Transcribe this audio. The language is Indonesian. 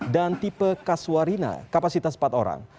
dan tipe kasuarina kapasitas empat orang